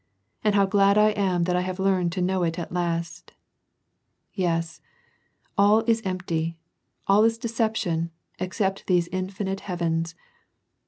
and how glad I am that I have learned to know it at last ! Yes ! all is empty, all is deception, except these infinite heavens.